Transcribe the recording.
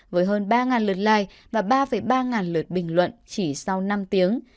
với hơn ba lượt like và ba ba lượt bình luận chỉ sau năm tiếng